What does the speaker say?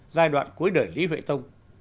giai đoạn cuối đời lý huệ tông